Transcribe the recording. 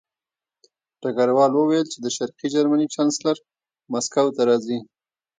ډګروال وویل چې د شرقي جرمني چانسلر مسکو ته راځي